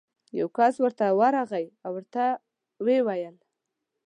یو کس ورته ورغی او ورته ویې ویل: